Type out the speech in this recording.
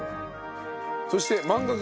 そして漫画家